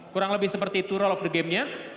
kurang lebih seperti itu role of the game nya